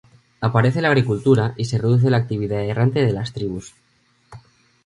Aparece la agricultura y se reduce la actividad errante de las tribus.